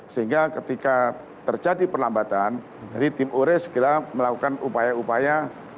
sehingga ketika terjadi perlambatan dari tim ure segera melakukan upaya upaya